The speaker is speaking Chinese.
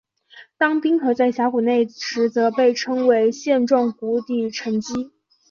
当冰河在峡谷内时则被称为线状谷底沉积。